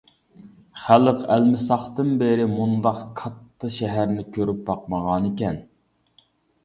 خەلق ئەلمىساقتىن بېرى مۇنداق كاتتا شەھەرنى كۆرۈپ باقمىغانىكەن.